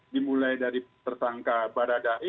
dimulai dari tersangka baradahi